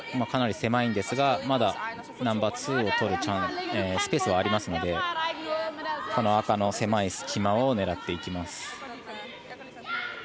かなり狭いんですがまだ、ナンバーツーを取るスペースはありますので赤の狭い隙間を狙っていきます。